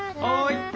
はい！